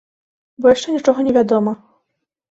Бо яшчэ нічога не вядома.